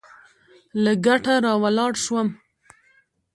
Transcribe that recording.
له کټه راولاړ شوم.